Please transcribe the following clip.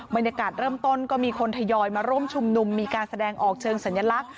บรรยากาศเริ่มต้นก็มีคนทยอยมาร่วมชุมนุมมีการแสดงออกเชิงสัญลักษณ